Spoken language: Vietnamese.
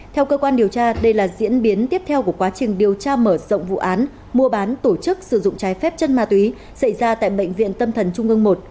theo cơ quan điều tra đây là diễn biến tiếp theo của quá trình điều tra mở rộng vụ án mua bán tổ chức sử dụng trái phép chân ma túy xảy ra tại bệnh viện tâm thần trung ương một